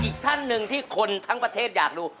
อีกท่านหนึ่งที่คนทั้งประเทศอยากรู้